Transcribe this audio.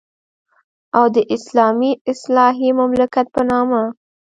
او د اسلامي اصلاحي مملکت په نامه.